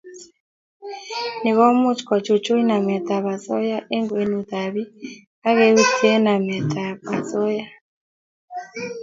Ni komuch kochuchuch nametab osoya eng kwenutab bik akeutye nametab osoya